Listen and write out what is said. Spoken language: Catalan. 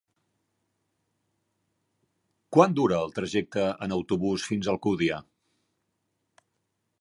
Quant dura el trajecte en autobús fins a Alcúdia?